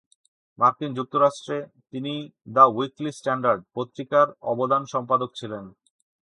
মার্কিন যুক্তরাষ্ট্রে তিনি "দ্য উইকলি স্ট্যান্ডার্ড" পত্রিকার অবদান সম্পাদক ছিলেন।